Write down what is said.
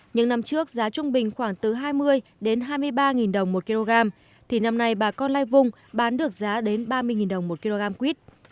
những năm trước giá trung bình khoảng từ hai mươi đến hai mươi ba đồng một kg thì năm nay bà con lai vung bán được giá đến ba mươi đồng một kg quýt